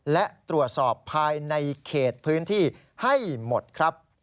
และตรวจสอบภายในเขตพื้นที่ให้หมดครับ